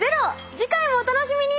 次回もお楽しみに！